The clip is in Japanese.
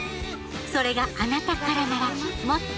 それがあなたからならもっと